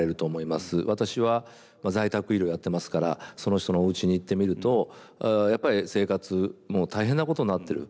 私は在宅医療やってますからその人のおうちに行ってみるとやっぱり生活もう大変なことになってる。